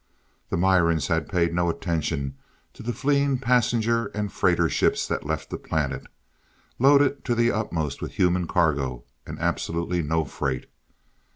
The Mirans had paid no attention to the fleeing passenger and freighter ships that left the planet, loaded to the utmost with human cargo, and absolutely no freight.